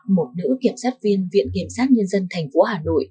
một nữ kiểm sát viên viện kiểm sát nhân dân tp hcm